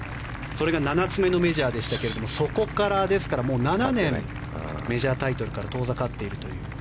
それが７つ目のメジャーですがそこから７年メジャータイトルから遠ざかっているという。